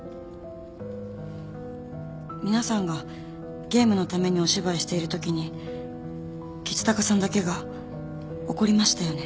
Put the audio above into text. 皆さんがゲームのためにお芝居しているときに橘高さんだけが怒りましたよね？